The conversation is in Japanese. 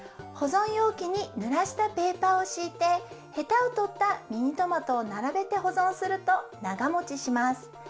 ほぞんようきにぬらしたペーパーをしいてヘタをとったミニトマトをならべてほぞんするとながもちします。